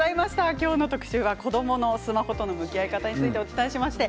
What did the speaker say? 今日の特集は子どものスマホとの向き合い方についてお伝えしました。